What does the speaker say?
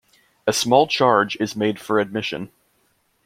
A small charge is made for admission.